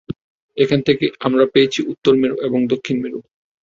এখান থেকেই আমরা পেয়েছি, উত্তর মেরু এবং দক্ষিণ মেরু!